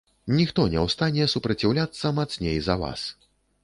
Ніхто не ў стане супраціўляцца мацней за вас.